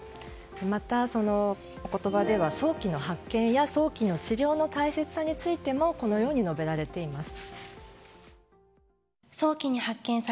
また、そのお言葉では早期の発見や早期の治療の大切さについてもこのように述べられています。